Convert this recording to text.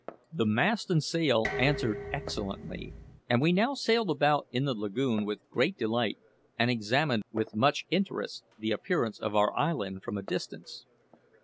The mast and sail answered excellently; and we now sailed about in the lagoon with great delight, and examined with much interest the appearance of our island from a distance.